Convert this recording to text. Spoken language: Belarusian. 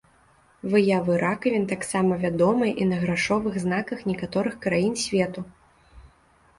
Выявы ракавін таксама вядомыя і на грашовых знаках некаторых краін свету.